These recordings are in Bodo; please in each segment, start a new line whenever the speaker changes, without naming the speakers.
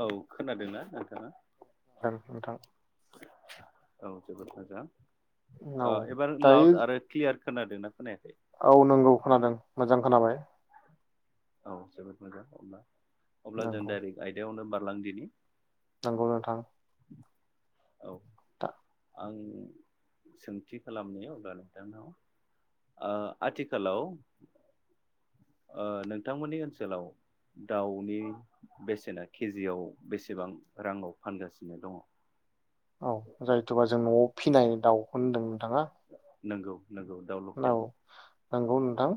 औ खोनादों ना नोंथाङा
ओं नोंथां
औ जोबोद मोजां
औ
अ एबार
दायो
लाउड आरो क्लियार खोनादों ना खोनायाखै
औ नंगौ खोनादों मोजां खोनाबाय
औ जोबोद मोजां ओमबा अब्ला जों
नंगौ
दाइरक्ट आयदायावनो बार लां दिनि
नंगौ नोंथां
औ
था
आं सोंथि खालामनायाव अब्ला नोंथांनाव आथिखालाव ओ नों नोंथांमोननि ओनसोलाव दाउनि बेसेना केजिआव बेसेबां राङाव फानगासिनो दङ
औ जायोथबा जों नआव फिनाय दाउखौ होन्दों थाङा
नोंगौ नोंगौ दाउ लकेल
नंगौ नोंथां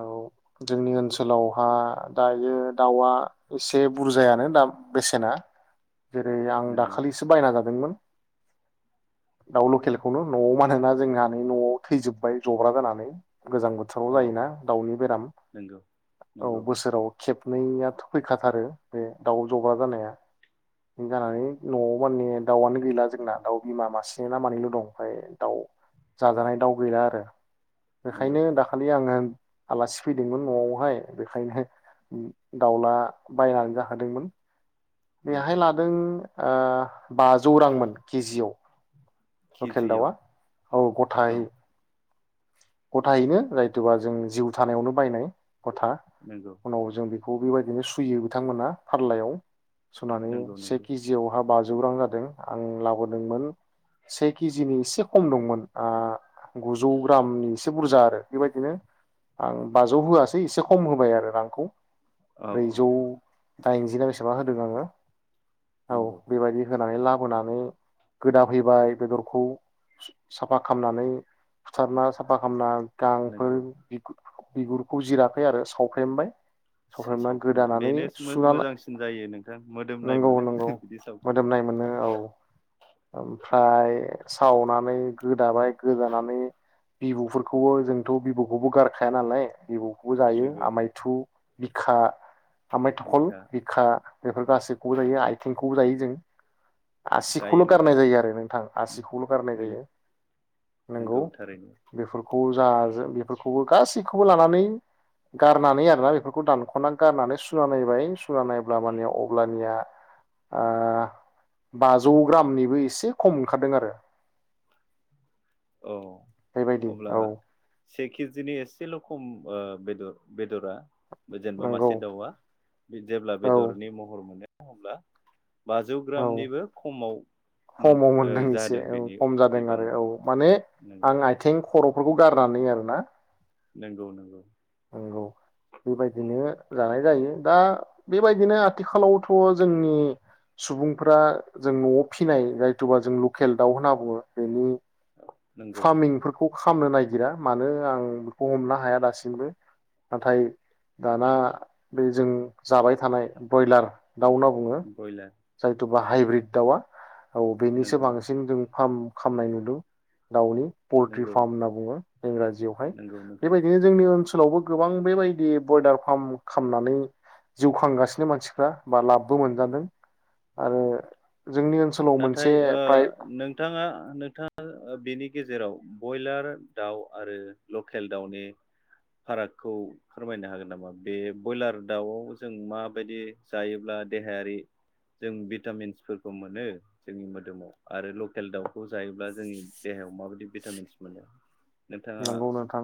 औ जोंनि ओनसोलावहा दायो दाउआ एसे बुरजायानो दाम बेसेना जेरै आं
नोंगौ
दाखालिसो बायना जादोंमोन दाउ लकेलखौनो नआव मानोना जोंहा नै नआव थैजोबबाय जब्रा जानानै गोजां बोथोराव
औ
जायो ना दाउनि बेराम
नोंगौ
औ
नोंगौ
बोसोराव खेब नैयाथ फैखाथारो बे दाउ जब्रा जानाया बे जानानै नआव माने दाउआनो गैला जोंना दाउ बिमा मासे ना मानैल दं ओमफ्राय दाउ जाजानाय दाउ गैला आरो
नोंगौ
बेखायनो दाखालि आङो आलासि फैदोंमोन नआवहाय बेखायनो दाउला बायनानै जाहोदोंमोन
नोंगौ
बेहाय लादों ओ बाजौ रांमोन केजियाव लकेल
केजियाव
दाउआ औ
औ
गथायै गथायैनो जायथुबा जों जिउ थानायावनो बायनाय गथा
नोंगौ
उनाव जों बि बेखौ बेबायदिनो सुयो बिथांमोना फारलायाव सुनानै
नोंगौ
से
नोंगौ
केजियावहा बाज जौरां जादों आं लाबोदोंमोन से केजिनि एसे खम दंमोन ओ गुजौ ग्रामनि एसे बुरजा आरो बेबायदिनो आं बाजौ होआसै एसे खम होबाय आरो रांखौ
औ औ
ब्रैजौ
औ
दाइनजि ना बेसेबा होदों आङो औ
नंगौ
बेबायदि होन नानै लाबोनानै गोदा फैबाय बेदरखौ साफा खामनानै बुथारना साफा खामना गांफोर
नंगौ
बिगु बिगुरखौ जिराखै आरो सावफ्रेमबाय सावफ्रेमनानै
सावफ्रोमबाय
गोदानानै
बेनो
सुनानै
मोजांसिन जायो नोंथां मोदोमनाय
नंगौ
मोनो
नंगौ
बिदि सावफ्रोमबाय
मोदोमनाय मोनो औ ओमफ्राय सावनानै गोदाबाय गोदानानै बिबौफोरखौबो जोंथ बिबौखौबो गारखाया नालाय बिबौ बो जायो
नंगौ
आमायथु बिखा आमाइ थखल बिखा बेफोर गासैखौबो जायो आथिंखौबो जायो जों
जायो
खौल
नोंथां
गारनाय जायो आरो नोंथां आसिखौल गारनाय जायो
नंगौ
नोंगौ
थारैनो
बेफोरखौ औ जाजोबो बेफोरखौबो गासैखौबो लानानै गारनानै आरो ना बेफोरखौ दानखनानै गारनानै सुना नाबाय सुना नायब्ला माने अब्लानिया ओ बाजौ जौ ग्रामनिबो एसे खम ओंखारदों आरो
औ
बेबायदि
अब्ला
औ
से केजिनि एसेल' खम ओ बेदर बेदरा जेनेबा
नंगौ
मासे दाउआ जेब्ला
औ
बेदरनि महर मोनो होमब्ला बाजौ
औ
ग्रामनिबो खमाव मोन
खमाव
ओ
मोनदों एसे
जादों
औ
बेनि
खम जादों आरो
बिबाङा
औ माने
नंगौ
आं आइथिं खर'फोरखौ गारनानै आरोना
नंगौ नंगौ
नोंगौ बेबाय बिदिनो जानाय जायो दा बेबायदिनो आथिखालावथ' जोंनि सुबुंफ्रा जों न'आव फिनाय जायथुबा जों लकेल दाउ होनना बुङो बेनि
नंगौ
फार्मिंफोरखौ खालामनो नागिरा मानो आं बेखौ हमनो हाया दासिमबो नाथाय दाना बे जों जाबाय थानाय ब्रयलार दाउ होनना बुङो
ब्रयलार
जाय थुबा हाइब्रिद दाउवा औ बेनिसो
नंगौ
बांसिन जों फार्म खामनाय नुदों दाउनि पलट्रि
नंगौ
फार्म होन्ना बुङो इंराजियावहाय
नंगौ नोंथां
बेबायदिनो जोंनि ओनसोल ओनसोलावबो गोबां बेबायदि ब्रयलार फार्म खालामनानै जिउ खांगासिनो मानसिफ्रा बा लाबबो मोनजादों आरो जोंनि ओनसोलाव
नाथाय
मोनसे
ओ
फ्राय
नोंथाङा नोंथाङा बेनि गेजेराव बयलार दाउ आरो लकेल दाउनि फारागखौ फोरमायनो हागोन नामा बे बयलार दाउ जों माबायदि जायोब्ला देहायारि जों भिटामिन्सफोरखौ मोनो जोंनि मोदोमाव आरो लकेल दाउखौ जायोब्ला जोंनि देहायाव माबायदि भिटामिन्स मोनो नोंथाङा
नंगौ नोंथां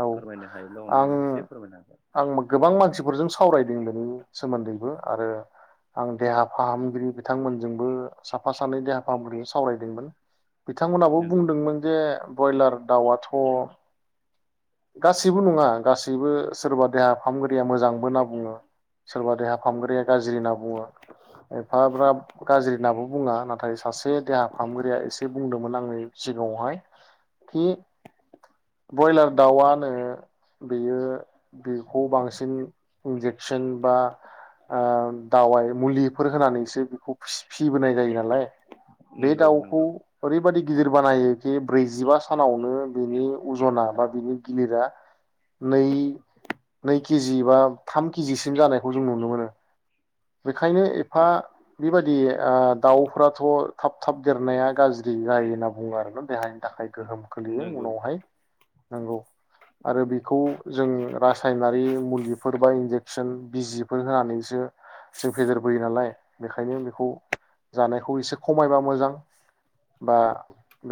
औ
फोरमायनो हायोब्ला
आं
अननानै एसे फोरमायनो हागोन
आं गोबां मानसिफोरजों सावरायदों बेनि सोमोन्दैबो आरो आं देहा फाहामगिरि बिथांमोनजोंबो साफा सानै देहा फाहामगिरि सावरायदोंमोन बिथांमोनहाबो
नंगौ
बुंदोंमोन जे ब्रयलार दाउआथ गासैबो नङा गासैबो सोरबा देहा फाहामगिरिया मोजांबो होनना बुङो सोरबा देहा फाहामगिया गाज्रि होनना बुङो एफाग्राब गाज्रि होनाबो बुङा नाथाय सासे देहा फारिहामगिरिया एसे बुंदोंमोन आंनि सिगाङावहाय खि ब्रयलार दाउआनो बेयो बेखौ बांसिन इन्जेकसन बा ओ दावाइ मुलिफोर होनानैसो बेखौ फिसिबोनाय जायो ना लाय बे
नंगौ
दाउखौ
नंगौ
ओरैबादि गिदिर बानायो ब्रैजिबा सानावनो बिनि अजना बा बिनि गिलिरा नै नै केजि बा थाम केजिसिम जानायखौ जों नुनो मोनो ओंखायनो एफा बेबादि ओ दाउफथ थाब थाब देरनाया गाज्रि जायो होनना बुङो आरो देहानि थाखाय गोहोम खोलैयो
नंगौ
उनावहाय नंगौ आरो बेखौ जों रासायनारि मुलिफोर बा इनजेकसन बिजिफोर होनानैसो जों फेदेरबोयो नालाय बेखायनो बेखौ जानायखौ एसे खमायबा मोजां बा
नंगौ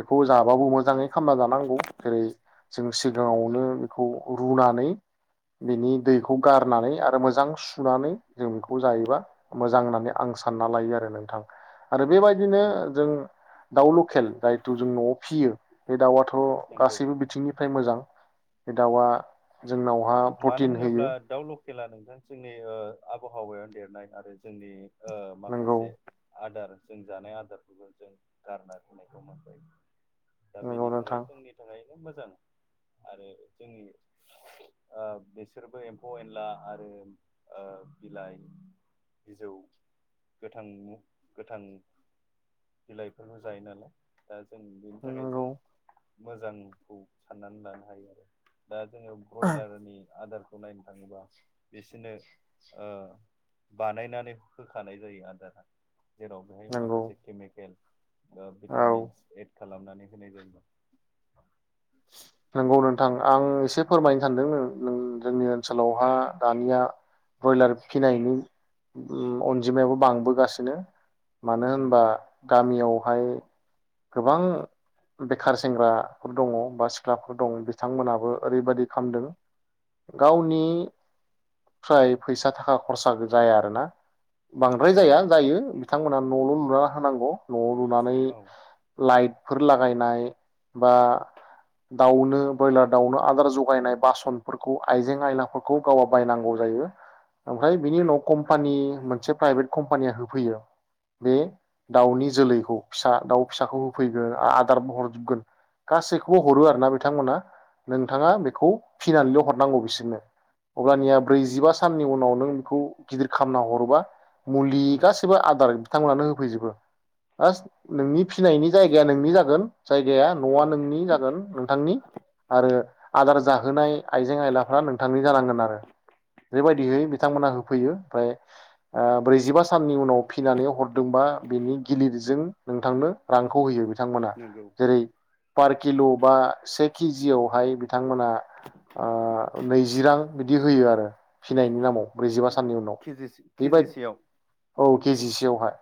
बेखौ जाबाबो मोज मोजाङै खामना जानांगौ जेरै जों सिगाङावनो बेखौ रुनानै बिनि दैखौ गारनानै आरो मोजां सुनानै जों बेखौ जायोबा मोजां होननानै आं सानना लायो आरो नोंथां आरो बेबायदिनो
नंगौ
जों दाउ लकेल जायथु जों नआव फियो बे दाउवाथ थ
नंगौ
गासैबो बिथिंनिफ्राय मोजां बे दाउआ जोंनावहा प्रटिन होयो
खेला नोंथां जोंनि ओ आबहावायाव देरनाय आरो जोंनि ओ
नंगौ
माखासे आदार जों जानाय आदारफोरखौ जों गारना होनायखौ मोनबाय दा
नंगौ
बेनि थाखाय
नोंथां
जोंनि थाखाय मोजां आरो जोंनि आ बिसोरबो एम्फौ एनला आरो ओ बिलाइ बिजौ गोथां मो गोथां बिलाइफोरनो जायो नालाय दा जों बेनि थाखाय जों
नंगौ
मोजांखौ साननानै लानो हायो आरो दा जोङो ब्रयलारनि आदार खौ नायनो थाङोबा बिसोरनो ओ बानायनानै होखानाय जायो आदारा। जेराव बेहाय
नंगौ
माखासे मेकेल ओ
औ
भिटामिन सि एद खालामनानै होनाय जायोमोन।
नोंगौ नों थां आं एसे फोरमायनो सानदों नों नों जोंनि ओनसोलावहा दानिया ब्रयलार फिनायनि उम अनजिमायाबो बांबोगासिनो। मानो
नंगौ
होनबा गामियावहाय गोबां बेखार सेंग्राफोर दङ। बा सिख्लाफोर दं। बिथांमोनाबो ओरैबायदि खामदों गावनि फ्राय फैसा थाखा खरसा जाया आरोना। बांद्राय
औ
जाया जायो बिथांमोना न'ल लुना होनांगौ न'आव लुनानै
औ
लाइट फोर लागायनाय बा दाउनो ब्रयलार दाउनो आदार जगायनाय बासनफोरखौ आइजें आयलाफोरखौ गावा बायनांगौ जायो ओमफ्राय बेनि उनाव कम्पानि मोनसे प्राइभेट कम्पानिया होफैयो बे दाउनि जोलैखौ फिसा दाउ फिसाखौ होफैगोन आदार हरजोबगोन गासैखौबो हरो आरो ना बिथांमोना नोंथाङा बेखौ फिनानैल हरनांगौ बिसोरनो अब्लानिया ब्रैजिबा साननि उनाव नों बेखौ गिदिर खालामना हरोबा मुलि
उम
गासिबो आदार थांमोनानो होफैजोबो बास नोंनि फिनायनि जायगाया नोंनि जागोन जायगाया
औ
न'आ नोंनि जा नोंथांनि आरो आदार जाहोनाय आइजें आयलाफ्रा नोंथांनि जानांगोन आरो बेबायदिहै बिथांमोनहा होफैयो ओमफ्राय आ ब्रैजिबा साननि उनाव फिनानै हरदोंबा बेनि गिलिरजों नोंथांनो रांखौ होयो। बिथांमोना
नंगौ
जेरै पार किल' बा से केजियावहाय बिथांमोना ओ नैजि रां बिदि होयो आरो। फिनायनि नामाव ब्रैजिबा साननि उनाव
केजि
बेबाय
केजिसेयाव
औ केजि एवहाय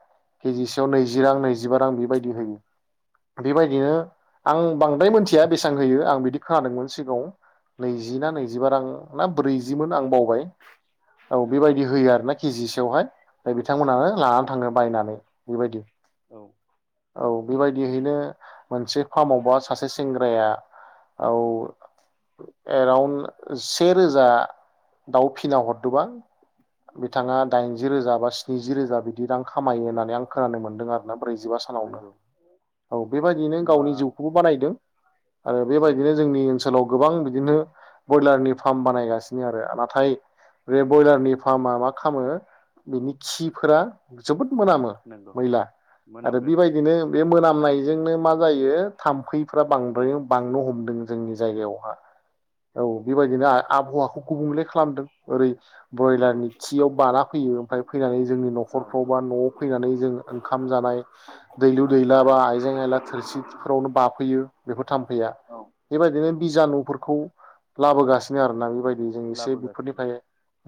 केजिसेयाव नैजि
ओं
रां नैजिबा रां बायदि होयो बेबायदिनो आं बांद्राय मिथिया बेसेबां होयो आं बिदि खोनादोंमोन सिगाङाव नैजि ना नैजिबा रां ना ब्रैजिमोन आं बावबाय। औ
नंगौ
बेबायदि होयो आरो ना केजिसो बेवहाय बिथांमोनानो लानानै थाङो बायनानै बेबायदि। औ बेबायदियैनो मोनसे फार्म सासे सेंग्राया औ एराउन्ड से रोजा दाउ फिना हरदोंबा बिथाङा दाइनजि रोजा बा स्निजि रोजा बिदि रां खामायो होननानै आं खोनानो मोनदों आरोना ब्रैजिबा सानावनो
नंगौ
औ बेबायदिनो
होमबा
गावनि जिउखौबो बानायदों आरो
नंगौ
बेबायदिनो जोंनि ओनसोलाव गोबां बिदिनो ब्रयलारनि फार्म बानायगासिनो आरो नाथाय बे ब्रयलारनि फार्मा मा खालामो बिनि खिफोरा मोनामो
नंगौ
मैला आरो
मोनामगोन
बेबायदिनो बे मोनामनाय बेजोंनो मा जायो थाम्फैफ्रा बांद्राय बांनो हमदों जोंनि जायगायावहा औ बेबायदिनो आबहावाखौ गुबुंले खालामदों ओरै
नंगौ
ब्रयलारनि खियाव बाना फैयो ओमफ्राय फैनानै जोंनि
औ
न'खरफ्राव बा न'आव फैनानै जों ओंखाम जानाय दैलु
औ
दैला बा आइजें आयला थोरसि फोरावनो बाफैयो बेफोर थाम्फैया
औ
बेबायदिनो बिजानुफोरखौ लाबोगासिनो आरो लाबो बायदि जों एसे
लाबोगासिनो
बेफोरनिफ्रायनो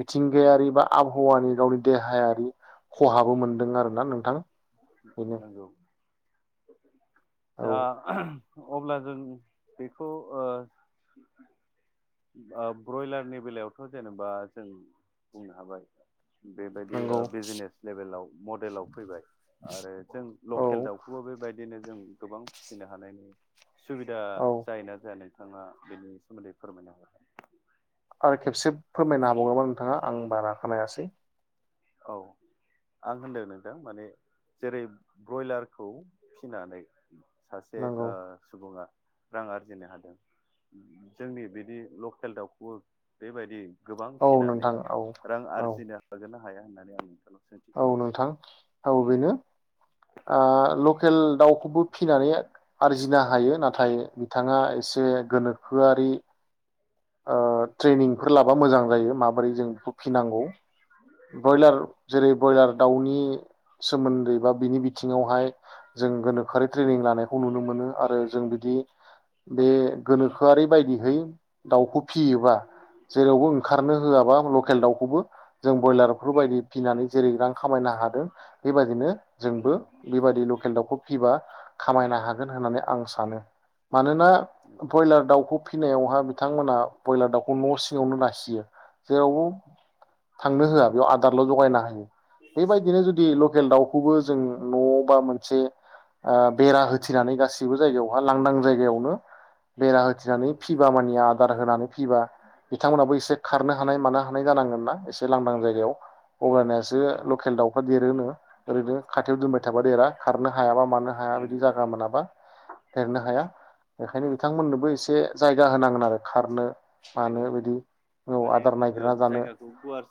मिथिंगायारि बा आबहावानि गावनि देहायारि खहाबो मोनदों आरोना नोंथां बेनो
नंगौ
औ
दा अब्ला जों बेखौ ओ ओ ब्रयलारनि बेलायावथ' जेनेबा जों बुंनो हाबाय बेबायदि
नंगौ
बिजनेस लेभेलाव मडेलाव फैबाय आरो जों
औ
लकेल दाउखौबो बेबायदिनो जों गोबां फिसिनो हानायनि सुबिदा
औ
जायोना जानाय बिथाङा बेनि सोमोन्दै फोरमायनो होन
आर खेबसे फोरमायनो हाबावगौमोन नोंथाङा आं बारा खोनायासै
औ आं होनदों नोंथां माने जेरै ब्रयलारखौ फिनानै सासे
नंगौ
ओ सुबुङा रां आरजिनो हादों जोंनि बिदि लकेल दाउखौबो बेबायदि गोबां
औ
फिनानै
नोंथां औ
रां
औ
आरजिनो हागोन ना हाया होननानै आ'
औ नोंथां औ बेनो ओ लकेल दाउखौबो फिनानै आरजिनो हायो नाथाय बिथाङा एसे गोनोखोआरि ओ ट्रेनिंफोर लाबा मोजां जायो माबोरै जों बेखौ फिनांगौ ब्रयलार
नंगौ
जेरै ब्रयलार दाउनि सोमोन्दै बा बिनि बिथिङावहाय जों गोनोखोआरि ट्रेनिं लानायखौ नुनो मोनो आरो जों बिदि बे गोनोखोआरि बायदिहै दाउखौ फियोबा जेरावबो ओंखारनो होआबा लकेल दाउखौबो जों बयलारफोरबायदि फिनानै जेरै रां खामायनो हादों बेबायदिनो जोंबो
नंगौ
बेबायदि लकेल दाउखौ फिबा खामायनो हागोन होननानै आं सानो सानो मानोना
नंगौ
ब्रयलार दाउखौ फिनायावहा ब्रयलार दाउखौ न' सिङावनो नायसियो जेरावबो थांनो होआ बेयाव आदारल' जगायना हायो बेबायदिनो जुदि
औ
लकेल दाउखौबो जों न' बा मोनसे ओ बेरा होथिनानै गाैबो जायगायावहा लांदां जायगायावनो बेरा होथिनानै
नंगौ
फिबा मानिया आरो दार होनानै फिबा बिथांमोनाबो एसे खारनो हानाय मानो हानाय जानांगोन ना एसे से लांदां जायगायाव अब्लानियासो
औ
लकेल दाउफोर देरोनो ओरैनो खाथियाव दोनबाय थाबा देरा खारनो हायाबा मानो हाया बिदि
नंगौ
जागा मोनाबा देरनो
औ
हाया बेखायनो बिथांमोननोबो
औ
एसे जायगा होनांगोन आरो खारनो मानो
जायगा होनानै
बिदि औ
माने
आदार
ओ
नागिरना जानो
जायगाखौ गुवा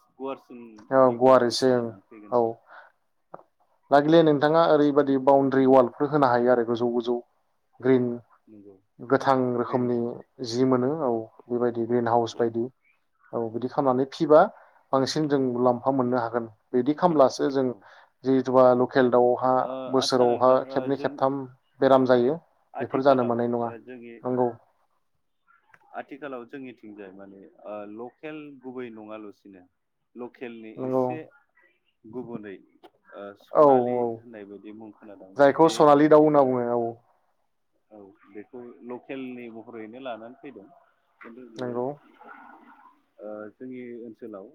औ
गुवारसिननि
गुवार
गोनां
एसे ओं
जानानै फैगोन
औ
आरो
लागिले नोंथाङा ओरैबायाददि बाउणडारि वालफोर होनो हायो आरो गोजौ गोजौ ग्रिन
नंगौ
गोथां
ग्रिन
रोखोमनि
नेट
जि मोनो औ बेबायदि ग्रिन हाउस
औ
बायदि औ बिदि खालामनानै फिबा बांसिन जों मुलाम्फा मोननो हागोन बिदि खालामब्लासो जों
औ
जोबाल लकेल दाउआवहा
ओ आदसा
बोसोरावहा
नोंथां ओ
खेबनै
जों
खेबथाम बेराम जायो बेफोर जानो
आथिखालाव
मोननाय नङा
ओ जोंनि
नंगौ
आथिखालाव जोंनिथिंजाय माने ओ लकेल गुबै नङाल'सिनो लकेलनि
नंगौ
एसे गुबुनै ओ
औ
सनालि
औ
होननाय बायदि मुं खोनादों
जायखौ
बे
सनालि
दाउखौ
दाउ होनना
जोङो
बुङो औ
औ बेखौ लकेलनि महरैनो लानानै फैदों
नंगौ
[unintelligible] ओ जोंनि ओनसोलाव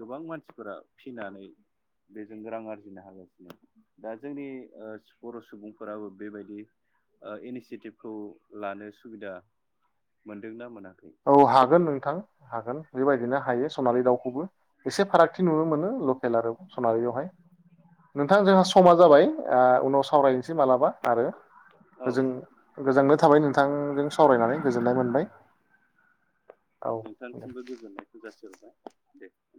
गोबां मानसिफोरा फिनानै बेजों रां आरजिनो हागासिनो दा जोंनि ओ बर' सुबुंफोराबो बेबायदि इनिसियेटिभखौ लानो सुबिदा मोनदोंना मोना
औ हागोन नोंथां हागोन बेबायदिनो हायो सनालि दाउखौ खौबो एसे फारागथि नुनो मोनो लकेल आरो सनालियावहाय नोंथां जोंहा समा जाबाय उनाव सावराय एसे मालाबा आरो
औ
गोजों गोजांनो थाबाय नोंथांजों सावरायनानै गोजोननाय मोनबाय औ दे
नोंथांनिसिमबो गोजोननायखौ जासिहरबाय दे